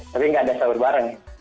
tapi nggak ada sahur bareng